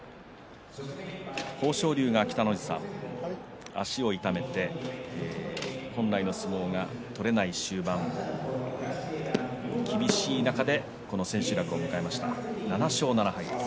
豊昇龍が足を痛めて本来の相撲が取れない終盤厳しい中でこの千秋楽を迎えました７勝７敗です。